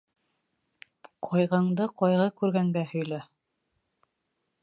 Ҡайғыңды ҡайғы күргәнгә һөйлә.